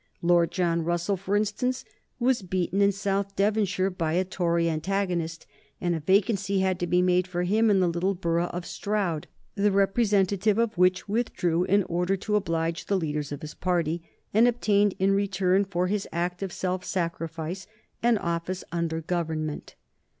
Lord John Russell, for instance, was beaten in South Devonshire by a Tory antagonist, and a vacancy had to be made for him in the little borough of Stroud, the representative of which withdrew in order to oblige the leaders of his party, and obtained, in return for his act of self sacrifice, an office under Government.